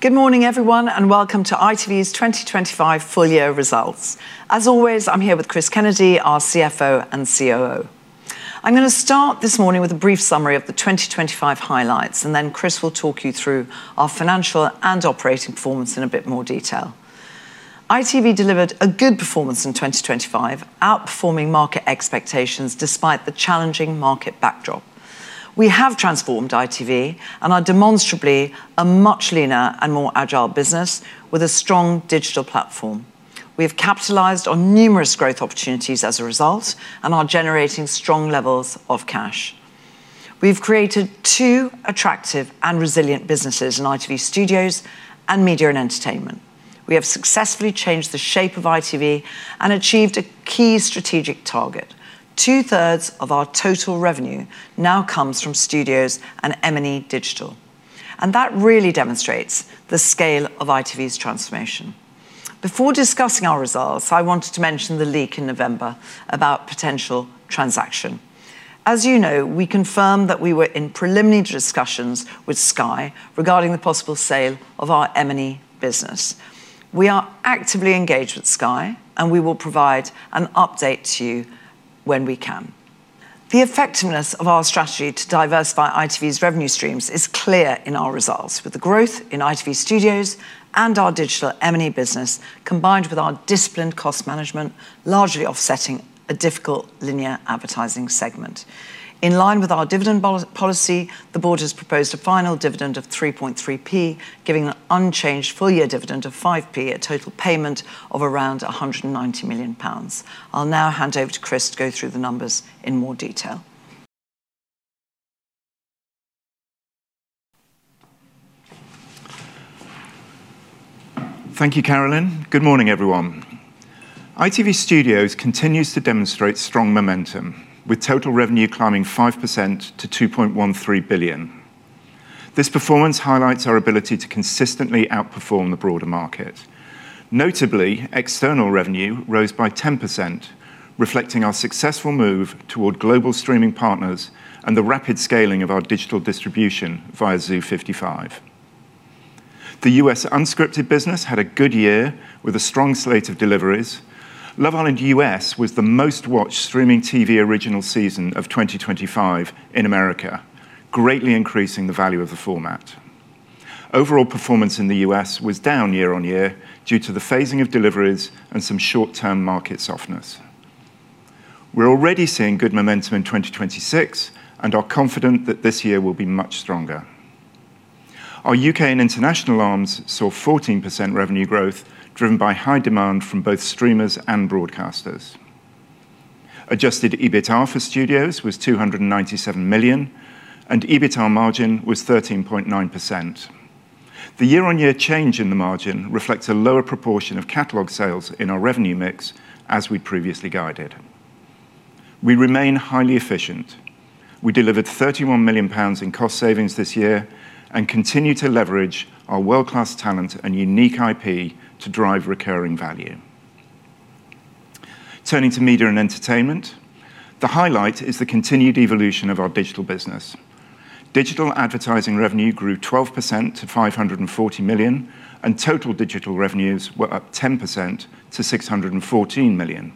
Good morning, everyone. Welcome to ITV's 2025 full year results. As always, I'm here with Chris Kennedy, our CFO and COO. I'm gonna start this morning with a brief summary of the 2025 highlights. Chris will talk you through our financial and operating performance in a bit more detail. ITV delivered a good performance in 2025, outperforming market expectations despite the challenging market backdrop. We have transformed ITV and are demonstrably a much leaner and more agile business with a strong digital platform. We have capitalized on numerous growth opportunities as a result and are generating strong levels of cash. We've created two attractive and resilient businesses in ITV Studios and Media and Entertainment. We have successfully changed the shape of ITV and achieved a key strategic target. 2/3 of our total revenue now comes from Studios and M&E Digital. That really demonstrates the scale of ITV's transformation. Before discussing our results, I wanted to mention the leak in November about potential transaction. As you know, we confirmed that we were in preliminary discussions with Sky regarding the possible sale of our M&E business. We are actively engaged with Sky, and we will provide an update to you when we can. The effectiveness of our strategy to diversify ITV's revenue streams is clear in our results. With the growth in ITV Studios and our digital M&E business, combined with our disciplined cost management, largely offsetting a difficult linear advertising segment. In line with our dividend policy, the board has proposed a final dividend of 3.3p, giving an unchanged full year dividend of 5p, a total payment of around 190 million pounds. I'll now hand over to Chris to go through the numbers in more detail. Thank you, Carolyn. Good morning, everyone. ITV Studios continues to demonstrate strong momentum, with total revenue climbing 5% to 2.13 billion. This performance highlights our ability to consistently outperform the broader market. Notably, external revenue rose by 10%, reflecting our successful move toward global streaming partners and the rapid scaling of our digital distribution via Zoo 55. The U.S. unscripted business had a good year with a strong slate of deliveries. Love Island USA was the most watched streaming TV original season of 2025 in America, greatly increasing the value of the format. Overall performance in the U.S. was down year-on-year due to the phasing of deliveries and some short-term market softness. We're already seeing good momentum in 2026 and are confident that this year will be much stronger. Our U.K. and international arms saw 14% revenue growth, driven by high demand from both streamers and broadcasters. Adjusted EBITDA for Studios was 297 million, and EBITDA margin was 13.9%. The year-over-year change in the margin reflects a lower proportion of catalog sales in our revenue mix as we previously guided. We remain highly efficient. We delivered 31 million pounds in cost savings this year and continue to leverage our world-class talent and unique IP to drive recurring value. Turning to media and entertainment, the highlight is the continued evolution of our digital business. Digital advertising revenue grew 12% to 540 million, and total digital revenues were up 10% to 614 million.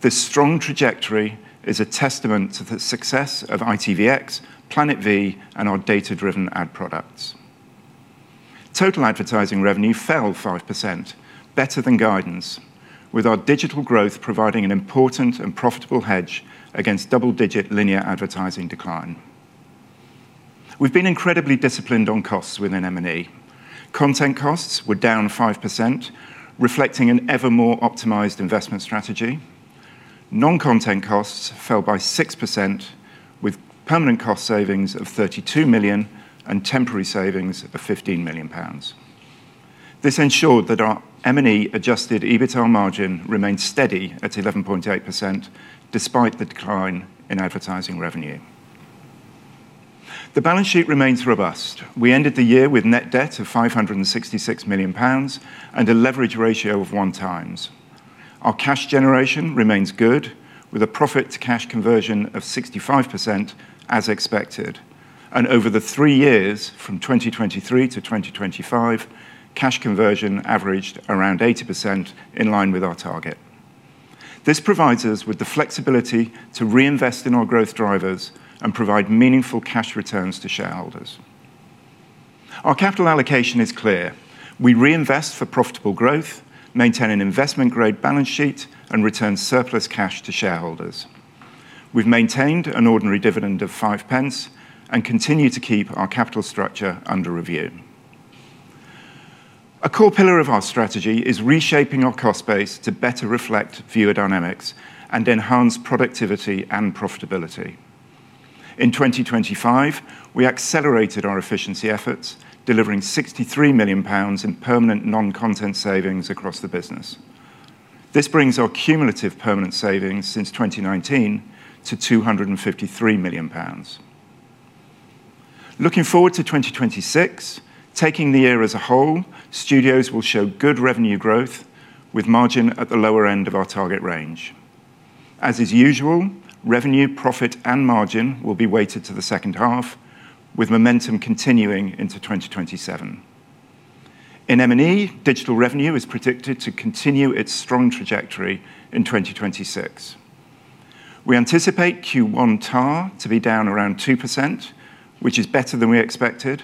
This strong trajectory is a testament to the success of ITVX, Planet V, and our data-driven ad products. Total advertising revenue fell 5%, better than guidance, with our digital growth providing an important and profitable hedge against double-digit linear advertising decline. We've been incredibly disciplined on costs within M&A. Content costs were down 5%, reflecting an ever more optimized investment strategy. Non-content costs fell by 6%, with permanent cost savings of 32 million and temporary savings of 15 million pounds. This ensured that our M&E adjusted EBITDA margin remained steady at 11.8% despite the decline in advertising revenue. The balance sheet remains robust. We ended the year with net debt of 566 million pounds and a leverage ratio of 1x. Our cash generation remains good, with a profit to cash conversion of 65% as expected. Over the three years, from 2023 to 2025, cash conversion averaged around 80% in line with our target. This provides us with the flexibility to reinvest in our growth drivers and provide meaningful cash returns to shareholders. Our capital allocation is clear. We reinvest for profitable growth, maintain an investment-grade balance sheet, and return surplus cash to shareholders. We've maintained an ordinary dividend of 0.05 and continue to keep our capital structure under review. A core pillar of our strategy is reshaping our cost base to better reflect viewer dynamics and enhance productivity and profitability. In 2025, we accelerated our efficiency efforts, delivering 63 million pounds in permanent non-content savings across the business. This brings our cumulative permanent savings since 2019 to 253 million pounds. Looking forward to 2026, taking the year as a whole, ITV Studios will show good revenue growth with margin at the lower end of our target range. As is usual, revenue, profit and margin will be weighted to the second half, with momentum continuing into 2027. In M&E, digital revenue is predicted to continue its strong trajectory in 2026. We anticipate Q1 TAR to be down around 2%, which is better than we expected.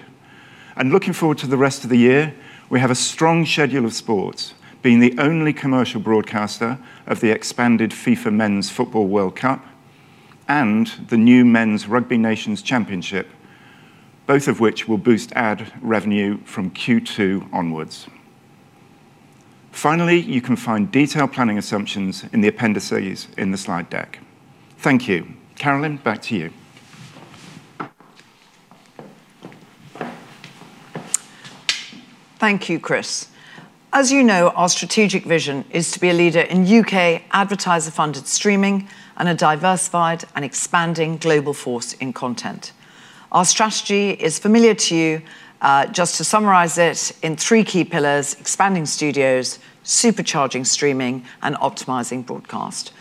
Looking forward to the rest of the year, we have a strong schedule of sports, being the only commercial broadcaster of the expanded FIFA Men's Football World Cup and the new Men's Rugby Nations Championship, both of which will boost ad revenue from Q2 onwards. Finally, you can find detailed planning assumptions in the appendices in the slide deck. Thank you. Carolyn, back to you. Thank you, Chris. As you know, our strategic vision is to be a leader in U.K. advertiser-funded streaming and a diversified and expanding global force in content. Our strategy is familiar to you. Just to summarize it in three key pillars: expanding studios, supercharging streaming, and optimizing broadcast.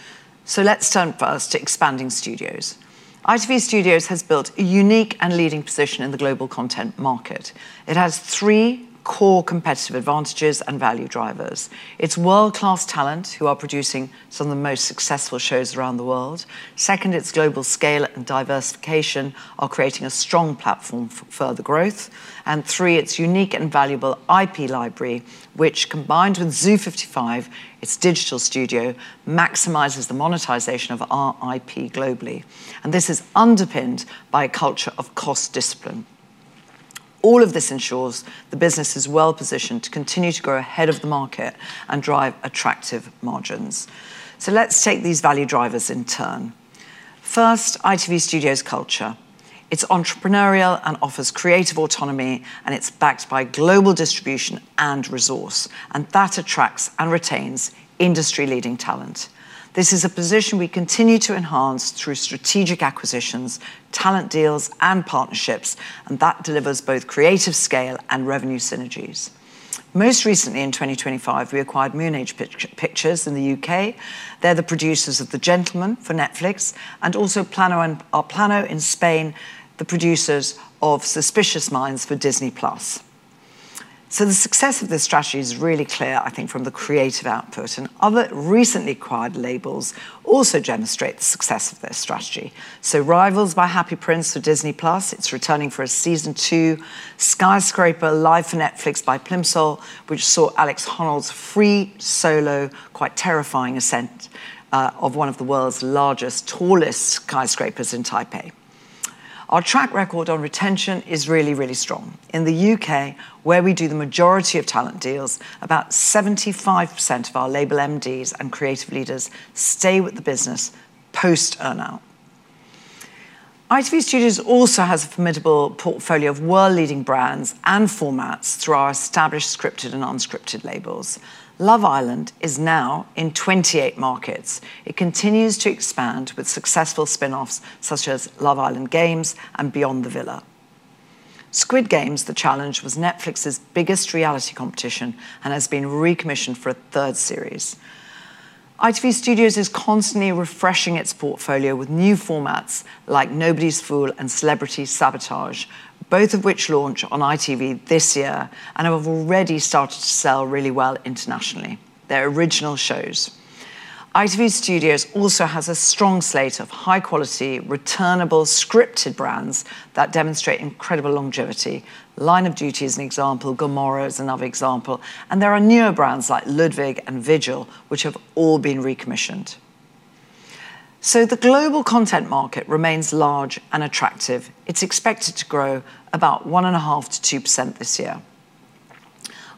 Let's turn first to expanding studios. ITV Studios has built a unique and leading position in the global content market. It has three core competitive advantages and value drivers. Its world-class talent, who are producing some of the most successful shows around the world. Second, its global scale and diversification are creating a strong platform further growth. Three, its unique and valuable IP library, which, combined with Zoo 55, its digital studio, maximizes the monetization of our IP globally, and this is underpinned by a culture of cost discipline. All of this ensures the business is well positioned to continue to grow ahead of the market and drive attractive margins. Let's take these value drivers in turn. First, ITV Studios' culture. It's entrepreneurial and offers creative autonomy. It's backed by global distribution and resource. That attracts and retains industry-leading talent. This is a position we continue to enhance through strategic acquisitions, talent deals, and partnerships. That delivers both creative scale and revenue synergies. Most recently in 2025, we acquired Moonage Pictures in the U.K. They're the producers of The Gentlemen for Netflix, and also Plano a Plano in Spain, the producers of Suspicious Minds for Disney+. The success of this strategy is really clear, I think, from the creative output. Other recently acquired labels also demonstrate the success of this strategy. Rivals by Happy Prince for Disney+, it's returning for a season 2. Skyscraper Live for Netflix by Plimsoll, which saw Alex Honnold's free solo, quite terrifying ascent, of one of the world's largest, tallest skyscrapers in Taipei. Our track record on retention is really, really strong. In the U.K., where we do the majority of talent deals, about 75% of our label MDs and creative leaders stay with the business post earn-out. ITV Studios also has a formidable portfolio of world-leading brands and formats through our established scripted and unscripted labels. Love Island is now in 28 markets. It continues to expand with successful spinoffs such as Love Island Games and Beyond the Villa. Squid Game: The Challenge was Netflix's biggest reality competition and has been recommissioned for a third series. ITV Studios is constantly refreshing its portfolio with new formats like Nobody's Fool and Celebrity Sabotage, both of which launch on ITV this year and have already started to sell really well internationally. They're original shows. ITV Studios also has a strong slate of high-quality, returnable scripted brands that demonstrate incredible longevity. Line of Duty is an example. Gomorrah is another example. There are newer brands like Ludwig and Vigil, which have all been recommissioned. The global content market remains large and attractive. It's expected to grow about 1.5%-2% this year.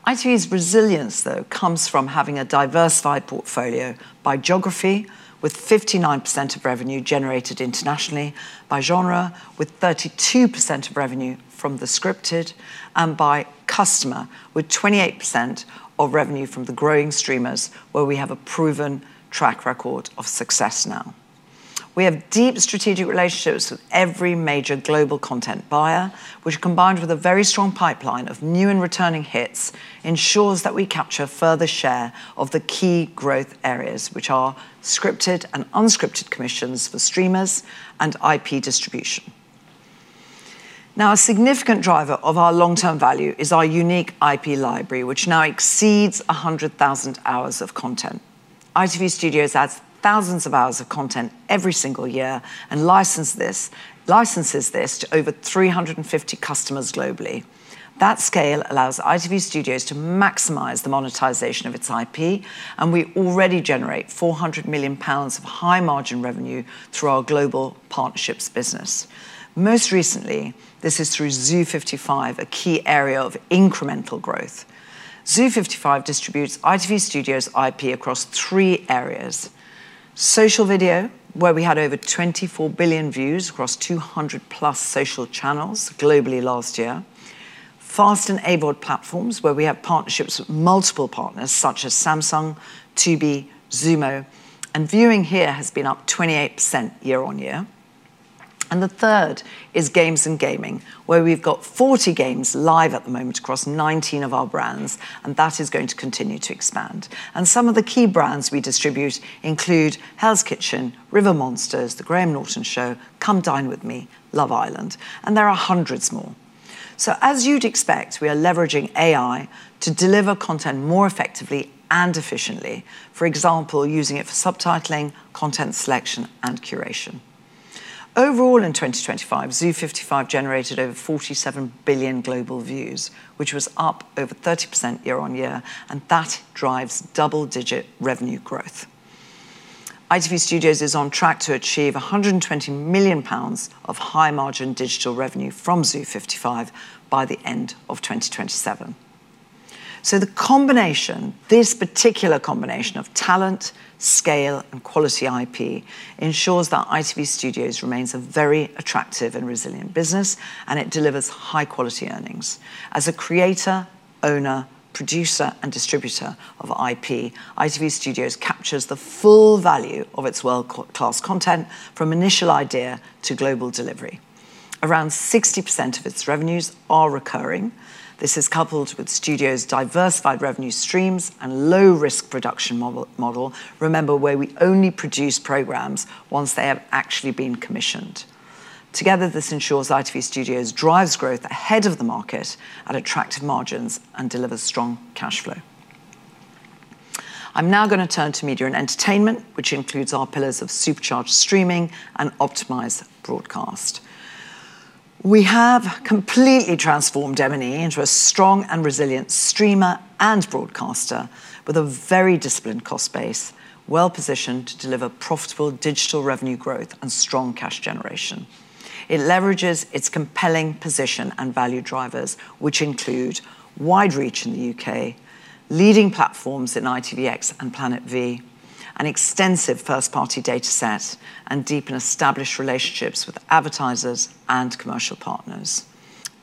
ITV's resilience, though, comes from having a diversified portfolio by geography, with 59% of revenue generated internationally by genre, with 32% of revenue from the scripted, and by customer, with 28% of revenue from the growing streamers, where we have a proven track record of success now. We have deep strategic relationships with every major global content buyer, which, combined with a very strong pipeline of new and returning hits, ensures that we capture further share of the key growth areas, which are scripted and unscripted commissions for streamers and IP distribution. A significant driver of our long-term value is our unique IP library, which now exceeds 100,000 hours of content. ITV Studios adds thousands of hours of content every single year, and licenses this to over 350 customers globally. That scale allows ITV Studios to maximize the monetization of its IP, and we already generate 400 million pounds of high-margin revenue through our global partnerships business. Most recently, this is through Zoo 55, a key area of incremental growth. Zoo 55 distributes ITV Studios IP across three areas: social video, where we had over 24 billion views across 200+ social channels globally last year; FAST and AVOD platforms, where we have partnerships with multiple partners such as Samsung, Tubi, Xumo, and viewing here has been up 28% year-on-year. The third is games and gaming, where we've got 40 games live at the moment across 19 of our brands. That is going to continue to expand. Some of the key brands we distribute include Hell's Kitchen, River Monsters, The Graham Norton Show, Come Dine with Me, Love Island, and there are hundreds more. As you'd expect, we are leveraging AI to deliver content more effectively and efficiently. For example, using it for subtitling, content selection and curation. Overall, in 2025, Zoo 55 generated over 47 billion global views, which was up over 30% year-on-year, and that drives double-digit revenue growth. ITV Studios is on track to achieve 120 million pounds of high-margin digital revenue from Zoo 55 by the end of 2027. The combination, this particular combination of talent, scale and quality IP ensures that ITV Studios remains a very attractive and resilient business, and it delivers high-quality earnings. As a creator, owner, producer and distributor of IP, ITV Studios captures the full value of its world-class content from initial idea to global delivery. Around 60% of its revenues are recurring. This is coupled with Studios' diversified revenue streams and low-risk production model. Remember where we only produce programs once they have actually been commissioned. Together, this ensures ITV Studios drives growth ahead of the market at attractive margins and delivers strong cash flow. I'm now going to turn to Media and Entertainment, which includes our pillars of supercharged streaming and optimized broadcast. We have completely transformed M&E into a strong and resilient streamer and broadcaster with a very disciplined cost base, well-positioned to deliver profitable digital revenue growth and strong cash generation. It leverages its compelling position and value drivers, which include wide reach in the U.K., leading platforms in ITVX and Planet V, an extensive first-party data set, and deep and established relationships with advertisers and commercial partners.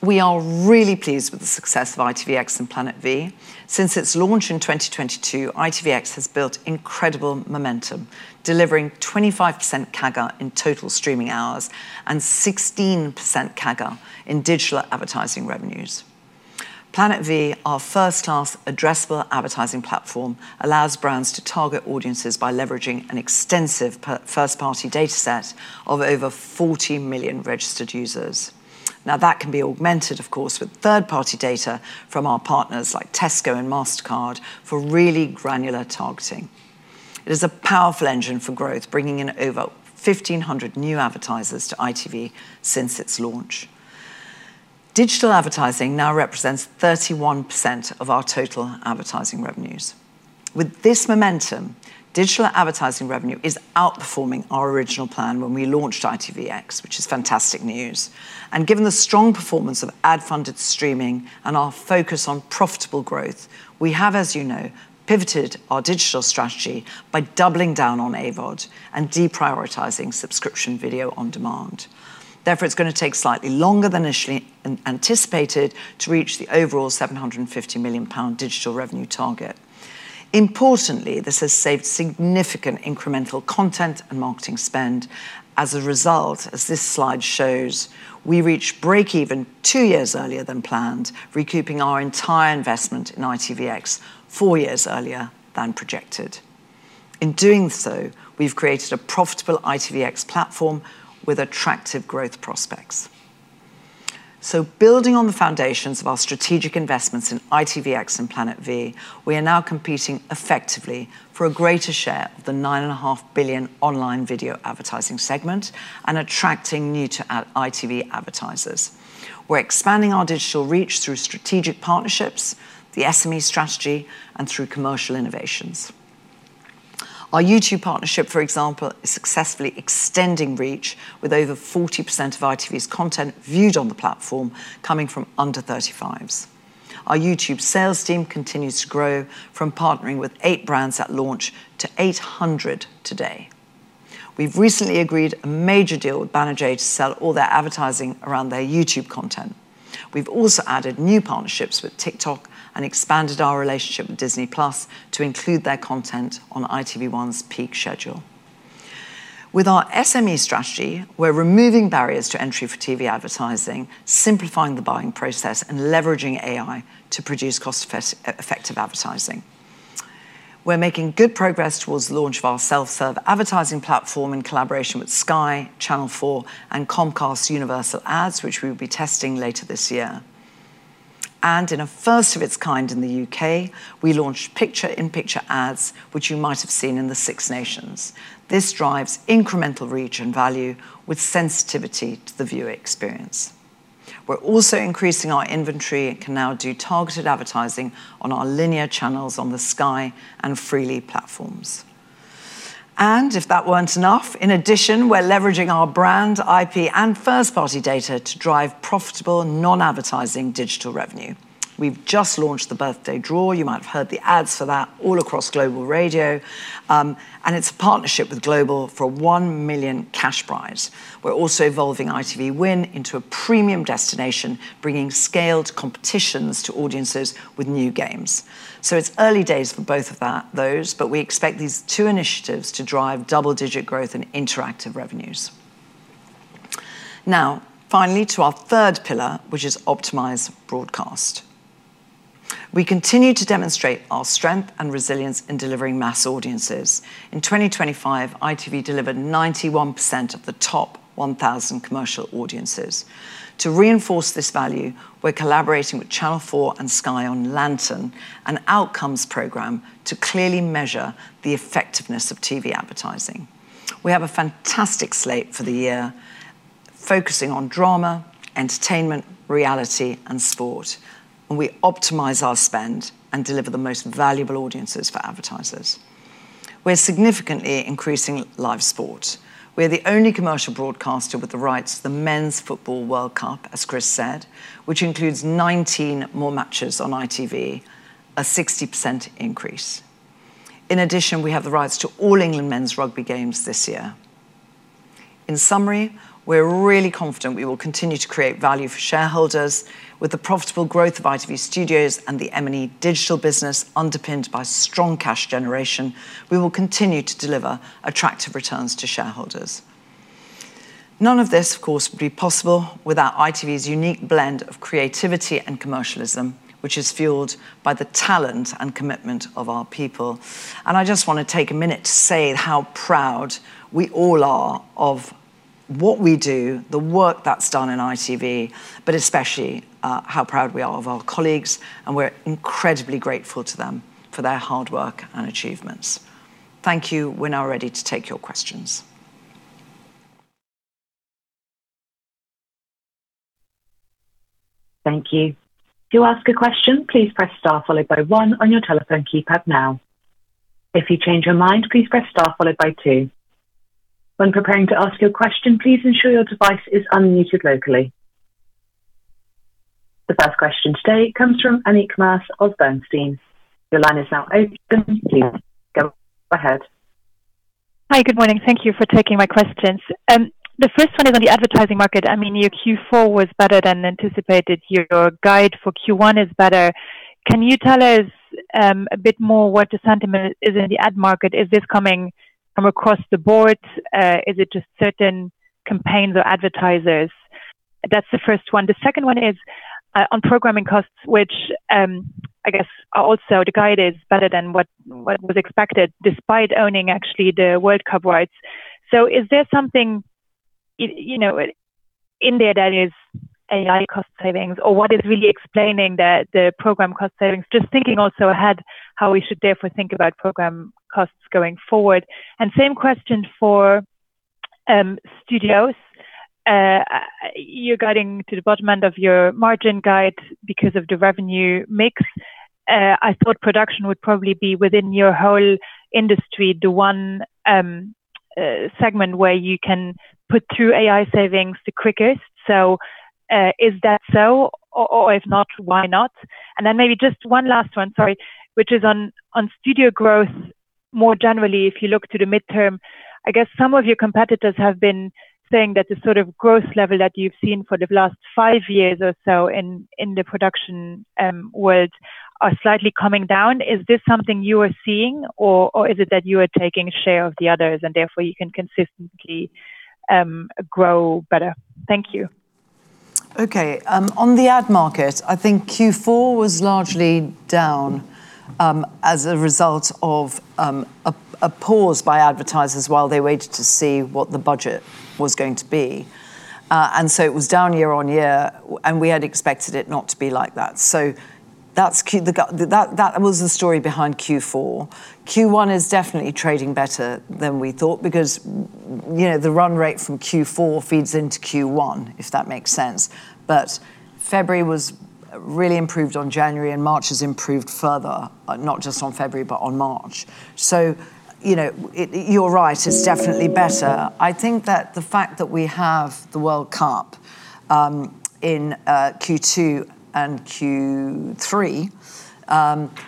We are really pleased with the success of ITVX and Planet V. Since its launch in 2022, ITVX has built incredible momentum, delivering 25% CAGR in total streaming hours and 16% CAGR in digital advertising revenues. Planet V, our first half addressable advertising platform, allows brands to target audiences by leveraging an extensive first-party data set of over 40 million registered users. Now, that can be augmented, of course, with third-party data from our partners like Tesco and Mastercard for really granular targeting. It is a powerful engine for growth, bringing in over 1,500 new advertisers to ITV since its launch. Digital advertising now represents 31% of our total advertising revenues. With this momentum, digital advertising revenue is outperforming our original plan when we launched ITVX, which is fantastic news. Given the strong performance of ad-funded streaming and our focus on profitable growth, we have, as you know, pivoted our digital strategy by doubling down on AVOD and deprioritizing subscription video on demand. Therefore, it's gonna take slightly longer than initially anticipated to reach the overall 750 million pound digital revenue target. Importantly, this has saved significant incremental content and marketing spend. As a result, as this slide shows, we reached break even two years earlier than planned, recouping our entire investment in ITVX four years earlier than projected. In doing so, we've created a profitable ITVX platform with attractive growth prospects. Building on the foundations of our strategic investments in ITVX and Planet V, we are now competing effectively for a greater share of the 9.5 billion online video advertising segment and attracting new to ITV advertisers. We're expanding our digital reach through strategic partnerships, the SME strategy, and through commercial innovations. Our YouTube partnership, for example, is successfully extending reach with over 40% of ITV's content viewed on the platform coming from under 35s. Our YouTube sales team continues to grow from partnering with eight brands at launch to 800 today. We've recently agreed a major deal with Banijay to sell all their advertising around their YouTube content. We've also added new partnerships with TikTok and expanded our relationship with Disney+ to include their content on ITV1's peak schedule. With our SME strategy, we're removing barriers to entry for TV advertising, simplifying the buying process, and leveraging AI to produce cost-effective advertising. We're making good progress towards the launch of our self-serve advertising platform in collaboration with Sky, Channel 4, and Comcast Universal Ads, which we'll be testing later this year. In a first of its kind in the U.K., we launched picture-in-picture ads, which you might have seen in the Six Nations. This drives incremental reach and value with sensitivity to the viewer experience. We're also increasing our inventory and can now do targeted advertising on our linear channels on the Sky and Freely platforms. If that weren't enough, in addition, we're leveraging our brand IP and first-party data to drive profitable non-advertising digital revenue. We've just launched the Birthday Draw. You might have heard the ads for that all across Global Radio, and it's a partnership with Global for a 1 million cash prize. We're also evolving ITV Win into a premium destination, bringing scaled competitions to audiences with new games. It's early days for both of those, but we expect these two initiatives to drive double-digit growth in interactive revenues. Finally, to our third pillar, which is optimize broadcast. We continue to demonstrate our strength and resilience in delivering mass audiences. In 2025, ITV delivered 91% of the top 1,000 commercial audiences. To reinforce this value, we're collaborating with Channel 4 and Sky on Lantern, an outcomes program to clearly measure the effectiveness of TV advertising. We have a fantastic slate for the year, focusing on drama, entertainment, reality, and sport, and we optimize our spend and deliver the most valuable audiences for advertisers. We're significantly increasing live sport. We're the only commercial broadcaster with the rights to the Men's Football World Cup, as Chris said, which includes 19 more matches on ITV, a 60% increase. In addition, we have the rights to all England men's rugby games this year. In summary, we're really confident we will continue to create value for shareholders with the profitable growth of ITV Studios and the M&A digital business underpinned by strong cash generation. We will continue to deliver attractive returns to shareholders. None of this, of course, would be possible without ITV's unique blend of creativity and commercialism, which is fueled by the talent and commitment of our people. I just wanna take a minute to say how proud we all are of what we do, the work that's done in ITV, but especially how proud we are of our colleagues, and we're incredibly grateful to them for their hard work and achievements. Thank you. We're now ready to take your questions. Thank you. To ask a question, please press star followed by one on your telephone keypad now. If you change your mind, please press star followed by two. When preparing to ask your question, please ensure your device is unmuted locally. The first question today comes from Annick Maas of Bernstein. Your line is now open. Please go ahead. Hi, good morning. Thank you for taking my questions. The first one is on the advertising market. I mean, your Q4 was better than anticipated. Your guide for Q1 is better. Can you tell us a bit more what the sentiment is in the ad market? Is this coming from across the board? Is it just certain campaigns or advertisers? That's the first one. The second one is on programming costs, which I guess also the guide is better than what was expected despite owning actually the World Cup rights. Is there something you know, in there that is AI cost savings or what is really explaining the program cost savings? Just thinking also ahead how we should therefore think about program costs going forward. Same question for studios. You're guiding to the bottom end of your margin guide because of the revenue mix. I thought production would probably be within your whole industry, the one segment where you can put through AI savings the quickest. Is that so? Or if not, why not? Maybe just 1 last one, sorry, which is on studio growth more generally if you look to the midterm. I guess some of your competitors have been saying that the sort of growth level that you've seen for the last 5 years or so in the production world are slightly coming down. Is this something you are seeing or is it that you are taking a share of the others and therefore you can consistently grow better? Thank you. Okay. On the ad market, I think Q4 was largely down as a result of a pause by advertisers while they waited to see what the budget was going to be. It was down year-on-year, and we had expected it not to be like that. That was the story behind Q4. Q1 is definitely trading better than we thought because, you know, the run rate from Q4 feeds into Q1, if that makes sense. February was really improved on January, and March has improved further, not just on February, but on March. You know, you're right, it's definitely better. I think that the fact that we have the World Cup in Q2 and Q3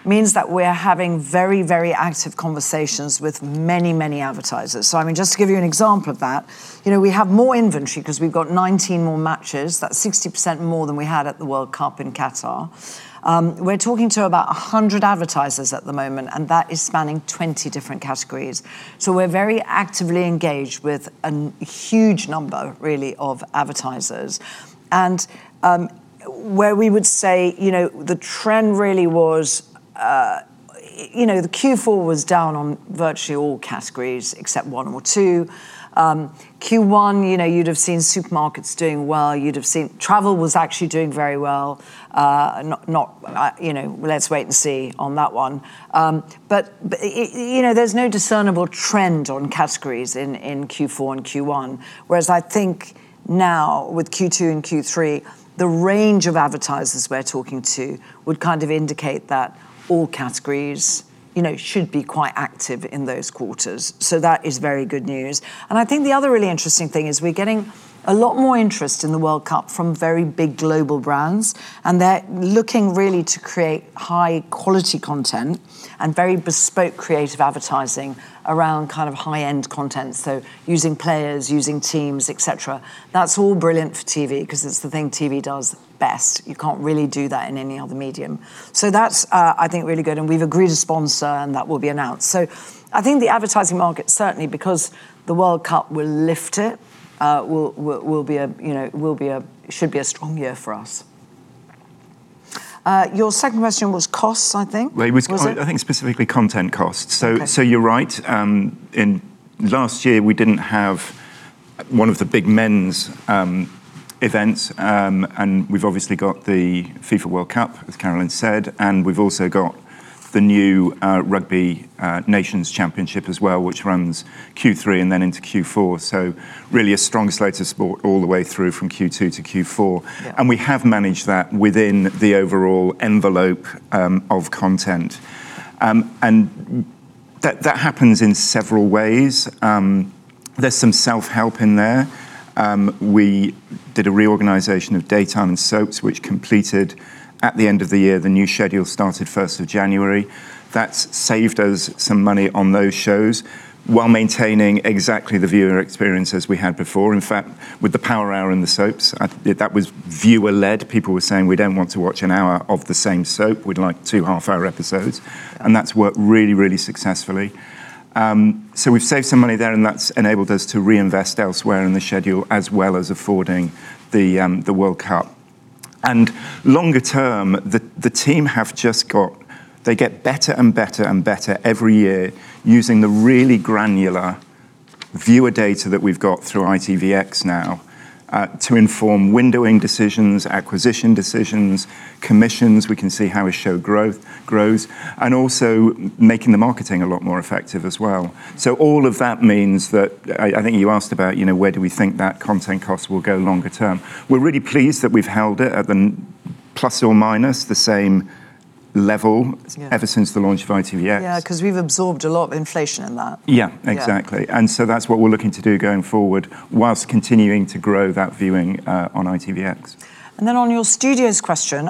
means that we're having very, very active conversations with many, many advertisers. I mean, just to give you an example of that, you know, we have more inventory 'cause we've got 19 more matches. That's 60% more than we had at the World Cup in Qatar. We're talking to about 100 advertisers at the moment, and that is spanning 20 different categories. We're very actively engaged with a huge number, really, of advertisers. Where we would say, you know, the trend really was, you know, the Q4 was down on virtually all categories except 1 or 2. Q1, you know, you'd have seen supermarkets doing well. You'd have seen travel was actually doing very well. Not, not, you know, let's wait and see on that one. You know, there's no discernible trend on categories in Q4 and Q1. I think now with Q2 and Q3, the range of advertisers we're talking to would kind of indicate that all categories, you know, should be quite active in those quarters. That is very good news. I think the other really interesting thing is we're getting a lot more interest in the World Cup from very big global brands, and they're looking really to create high-quality content and very bespoke creative advertising around kind of high-end content, so using players, using teams, et cetera. That's all brilliant for TV 'cause it's the thing TV does best. You can't really do that in any other medium. That's, I think, really good, and we've agreed a sponsor, and that will be announced. I think the advertising market, certainly because the World Cup will lift it, will be a, you know, will be a... Should be a strong year for us. Your second question was costs, I think. Well, it was. Was it? I think specifically content costs. Okay. You're right. In last year, we didn't have one of the big men's events. We've obviously got the FIFA World Cup, as Carolyn said, and we've also got the new Rugby Nations Championship as well, which runs Q3 and then into Q4. Really a strong slate of sport all the way through from Q2 to Q4. Yeah. We have managed that within the overall envelope of content. That happens in several ways. There's some self-help in there. We did a reorganization of daytime and soaps, which completed at the end of the year. The new schedule started first of January. That's saved us some money on those shows while maintaining exactly the viewer experience as we had before. In fact, with the power hour and the soaps, that was viewer-led. People were saying, "We don't want to watch an hour of the same soap. We'd like two half-hour episodes." That's worked really, really successfully. So we've saved some money there, and that's enabled us to reinvest elsewhere in the schedule as well as affording the World Cup. Longer term, the team have just got. They get better and better and better every year using the really granular viewer data that we've got through ITVX now to inform windowing decisions, acquisition decisions, commissions. We can see how a show grows, and also making the marketing a lot more effective as well. All of that means that. I think you asked about, you know, where do we think that content cost will go longer term. We're really pleased that we've held it at the plus or minus the same level... Yeah ...ever since the launch of ITVX. Yeah, 'cause we've absorbed a lot of inflation in that. Yeah, exactly. Yeah. That's what we're looking to do going forward while continuing to grow that viewing on ITVX. On your studios question,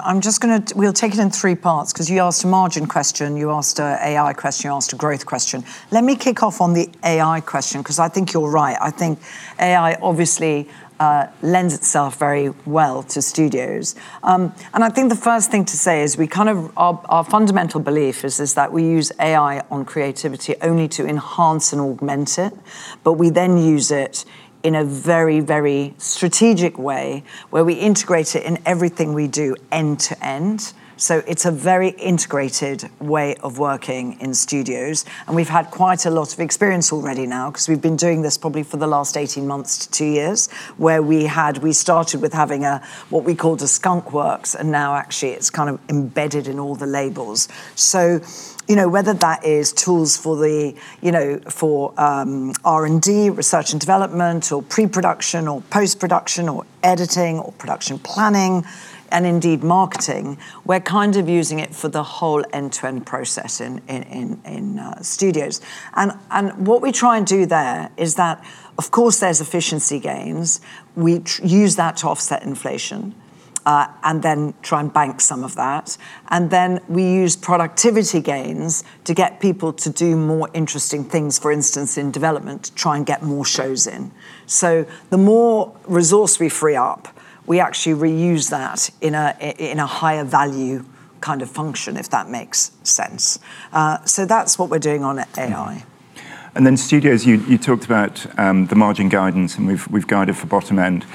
we'll take it in three parts 'cause you asked a margin question, you asked a AI question, you asked a growth question. Let me kick off on the AI question 'cause I think you're right. I think AI obviously, lends itself very well to studios. I think the first thing to say is we kind of, our fundamental belief is that we use AI on creativity only to enhance and augment it, but we then use it in a very, very strategic way, where we integrate it in everything we do end to end. It's a very integrated way of working in studios, and we've had quite a lot of experience already now 'cause we've been doing this probably for the last 18 months to 2 years, where we started with having a, what we called a Skunk Works, and now actually it's kind of embedded in all the labels. You know, whether that is tools for the, you know, for R&D, research and development, or pre-production or post-production or editing or production planning and indeed marketing, we're kind of using it for the whole end-to-end process in, in studios. What we try and do there is that of course there's efficiency gains. We use that to offset inflation and then try and bank some of that. Then we use productivity gains to get people to do more interesting things, for instance, in development, to try and get more shows in. So the more resource we free up, we actually reuse that in a higher value kind of function, if that makes sense. So that's what we're doing on AI. Studios, you talked about the margin guidance, we've guided for bottom end.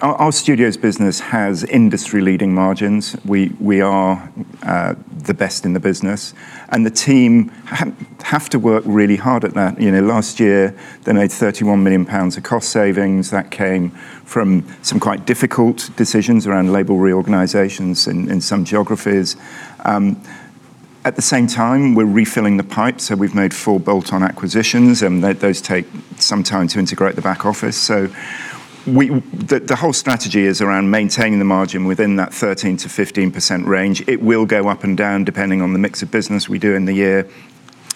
Our Studios business has industry-leading margins. We are the best in the business, and the team have to work really hard at that. You know, last year, they made 31 million pounds of cost savings that came from some quite difficult decisions around label reorganizations in some geographies. At the same time, we're refilling the pipes, we've made four bolt-on acquisitions, and those take some time to integrate the back office. The whole strategy is around maintaining the margin within that 13%-15% range. It will go up and down depending on the mix of business we do in the year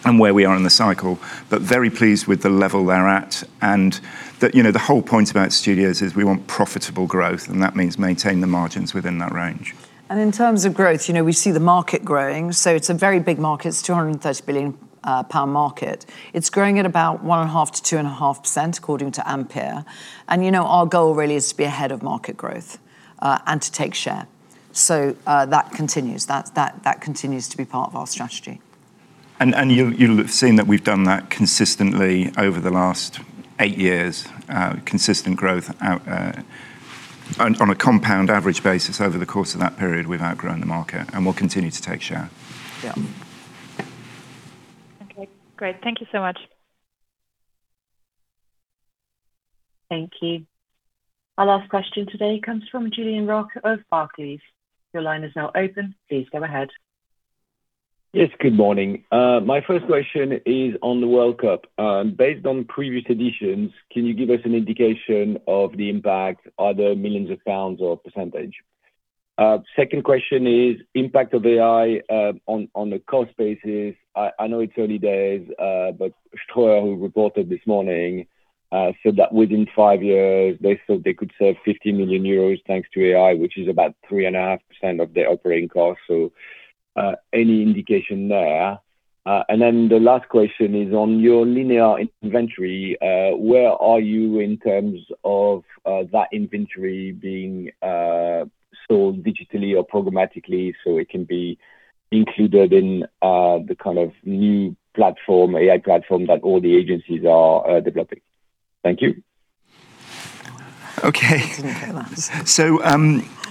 and where we are in the cycle, but very pleased with the level they're at. The, you know, the whole point about studios is we want profitable growth, and that means maintain the margins within that range. In terms of growth, you know, we see the market growing, so it's a very big market. It's 230 billion pound market. It's growing at about 1.5%-2.5% according to Ampere. You know, our goal really is to be ahead of market growth and to take share. That continues. That continues to be part of our strategy. You'll have seen that we've done that consistently over the last eight years, consistent growth out on a compound average basis over the course of that period, we've outgrown the market and will continue to take share. Yeah. Okay, great. Thank you so much. Thank you. Our last question today comes from Julien Roch of Barclays. Your line is now open. Please go ahead. Yes, good morning. My first question is on the World Cup. Based on previous editions, can you give us an indication of the impact, are there millions of GBP or percentage? Second question is impact of AI on the cost basis. I know it's early days, but Ströer reported this morning, said that within 5 years, they thought they could save 50 million euros thanks to AI, which is about 3.5% of their operating costs. Any indication there? The last question is on your linear inventory, where are you in terms of that inventory being sold digitally or programmatically so it can be included in the kind of new platform, AI platform that all the agencies are developing? Thank you. Okay. Didn't collapse.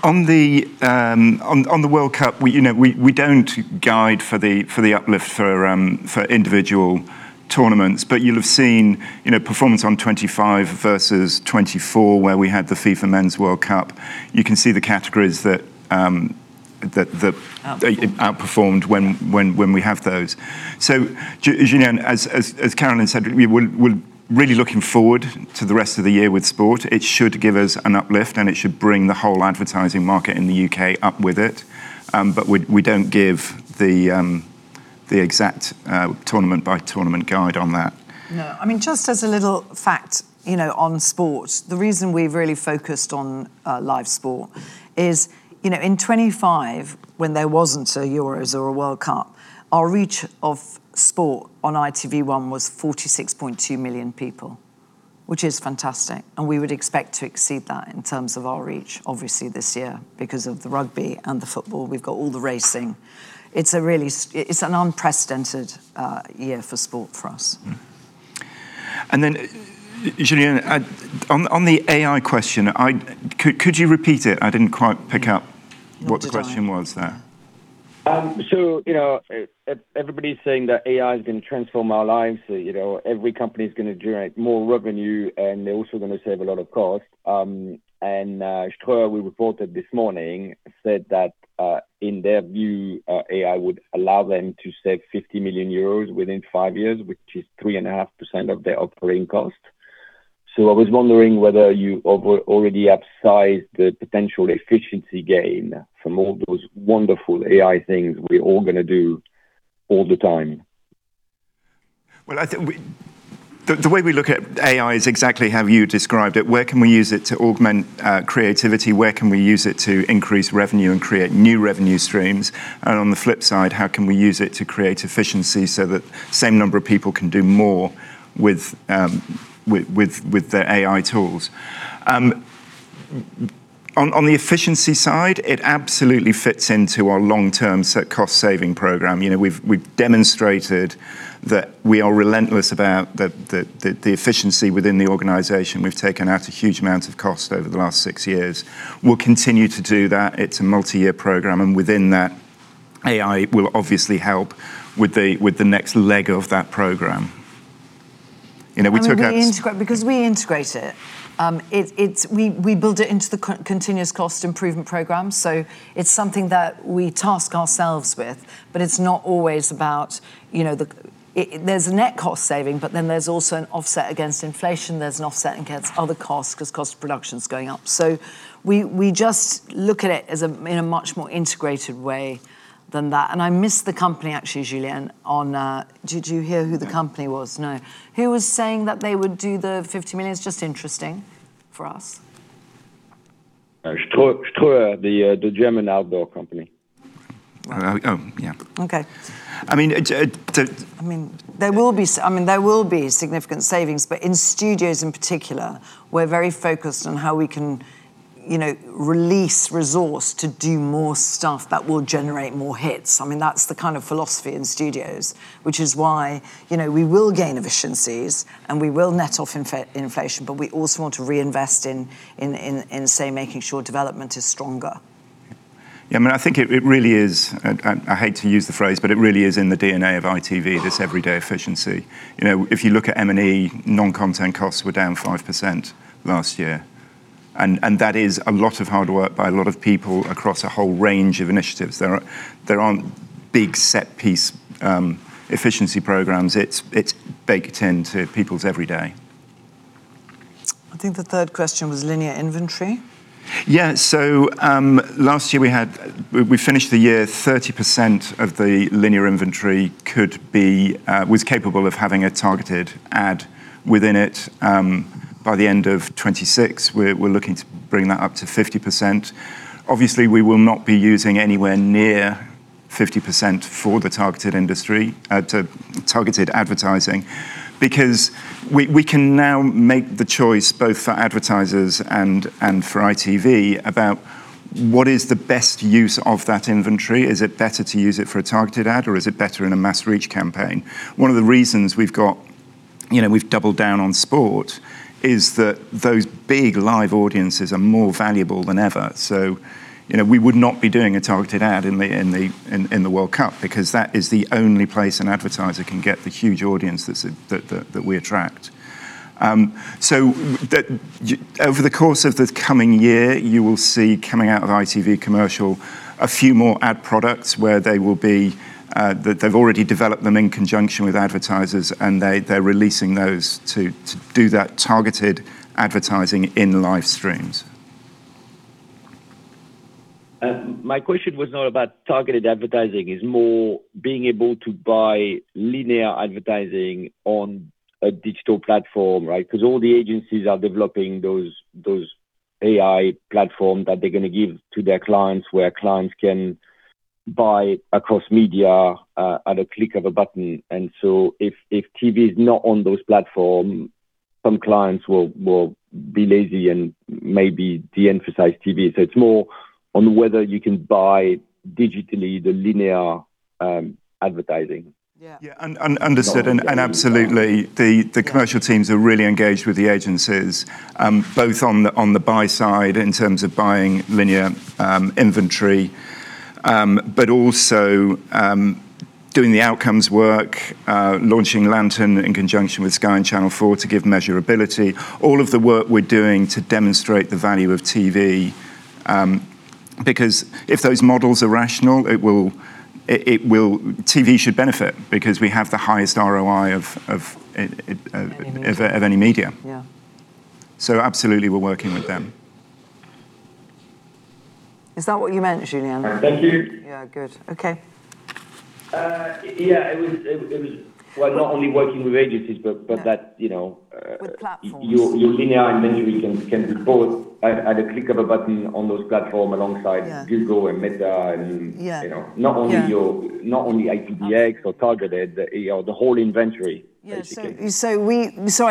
On the World Cup, we, you know, we don't guide for the uplift for individual tournaments, but you'll have seen, you know, performance on 2025 versus 2024, where we had the FIFA Men's World Cup. You can see the categories that... Outperformed... they outperformed when we have those. As you know, and as Carolyn said, we're really looking forward to the rest of the year with sport. It should give us an uplift, and it should bring the whole advertising market in the U.K. up with it. We don't give the exact tournament-by-tournament guide on that. No. I mean, just as a little fact, you know, on sport, the reason we've really focused on live sport is, you know, in 2025, when there wasn't a Euros or a World Cup, our reach of sport on ITV1 was 46.2 million people, which is fantastic, and we would expect to exceed that in terms of our reach, obviously, this year because of the rugby and the football. We've got all the racing. It's a really unprecedented year for sport for us. Julien, on the AI question. Could you repeat it? I didn't quite pick up... Nor did I. ...what the question was there. You know, everybody's saying that AI is gonna transform our lives. You know, every company's gonna generate more revenue, and they're also gonna save a lot of cost. Ströer we reported this morning said that, in their view, AI would allow them to save 50 million euros within five years, which is 3.5% of their operating cost. I was wondering whether you already upsized the potential efficiency gain from all those wonderful AI things we're all gonna do all the time. Well, the way we look at AI is exactly how you described it. Where can we use it to augment creativity? Where can we use it to increase revenue and create new revenue streams? On the flip side, how can we use it to create efficiency so that same number of people can do more with the AI tools? On the efficiency side, it absolutely fits into our long-term cost saving program. You know, we've demonstrated that we are relentless about the efficiency within the organization. We've taken out a huge amount of cost over the last 6 years. We'll continue to do that. It's a multi-year program, and within that, AI will obviously help with the next leg of that program. You know, we took out. We reintegrate because we integrate it. We build it into the continuous cost improvement program, so it's something that we task ourselves with, but it's not always about, you know, the. It there's a net cost saving, but then there's also an offset against inflation. There's an offset against other costs 'cause cost of production's going up. We just look at it as a, in a much more integrated way than that. I missed the company actually, Julien, on. Did you hear who the company was? No. No. Who was saying that they would do the 50 million? It's just interesting for us. Ströer, the German outdoor company. Oh, oh, yeah. Okay. I mean, it. I mean, there will be significant savings, but in studios in particular, we're very focused on how we can, you know, release resource to do more stuff that will generate more hits. I mean, that's the kind of philosophy in studios, which is why, you know, we will gain efficiencies, and we will net off inflation, but we also want to reinvest in, say, making sure development is stronger. Yeah, I mean, I think it really is... I hate to use the phrase, but it really is in the DNA of ITV, this everyday efficiency. You know, if you look at M&A, non-content costs were down 5% last year. That is a lot of hard work by a lot of people across a whole range of initiatives. There aren't big set piece efficiency programs. It's baked into people's every day. I think the third question was linear inventory. Last year, we finished the year 30% of the linear inventory could be was capable of having a targeted ad within it. By the end of 2026, we're looking to bring that up to 50%. Obviously, we will not be using anywhere near 50% for the targeted industry to targeted advertising, because we can now make the choice both for advertisers and for ITV about what is the best use of that inventory. Is it better to use it for a targeted ad, or is it better in a mass reach campaign? One of the reasons we've got, you know, we've doubled down on sport is that those big live audiences are more valuable than ever. You know, we would not be doing a targeted ad in the World Cup because that is the only place an advertiser can get the huge audience that we attract. Over the course of this coming year, you will see coming out of ITV Commercial a few more ad products where they will be, they've already developed them in conjunction with advertisers, and they're releasing those to do that targeted advertising in live streams. My question was not about targeted advertising. It's more being able to buy linear advertising on a digital platform, right? Because all the agencies are developing those AI platform that they're gonna give to their clients, where clients can buy across media at a click of a button. So if TV is not on those platform, some clients will be lazy and maybe de-emphasize TV. So it's more on whether you can buy digitally the linear advertising. Yeah. Yeah. Understood and absolutely. The commercial teams are really engaged with the agencies, both on the buy side in terms of buying linear inventory. Also, doing the outcomes work, launching Lantern in conjunction with Sky and Channel 4 to give measurability, all of the work we're doing to demonstrate the value of TV. If those models are rational, it will. TV should benefit because we have the highest ROI of any media. Yeah. Absolutely, we're working with them. Is that what you meant, Julien? Thank you. Yeah, good. Okay. Yeah, it was... Well, not only working with agencies, but that, you know... With platforms. Your linear and linear can do both at a click of a button on those platform alongside... Yeah... Google and Meta... Yeah... you know. Yeah. Not only ITVX are targeted, the, you know, the whole inventory basically. Yeah. I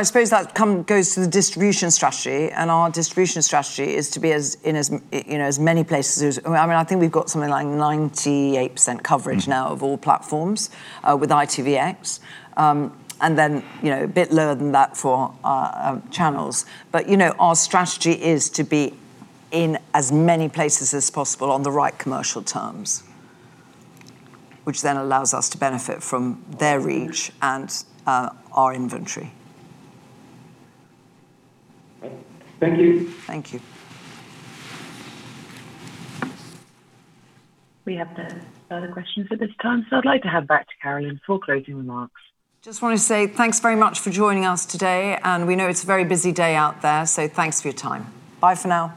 suppose that goes to the distribution strategy, our distribution strategy is to be as in, as, you know, as many places. I mean, I think we've got something like 98% coverage now of all platforms, with ITVX. You know, a bit lower than that for our channels. You know, our strategy is to be in as many places as possible on the right commercial terms, which then allows us to benefit from their reach and, our inventory. Thank you. Thank you. We have no further questions at this time, so I'd like to hand back to Carolyn for closing remarks. Just want to say thanks very much for joining us today. We know it's a very busy day out there. Thanks for your time. Bye for now.